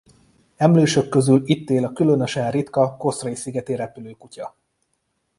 Emlősök közül itt él a különösen ritka Kosrae-szigeti repülőkutya.